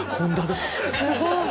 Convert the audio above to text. すごい！